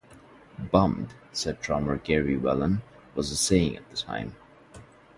"Bummed", said drummer Gary Whelan, "was a saying at the time.